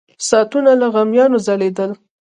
ساعتونه له غمیانو ځلېدل.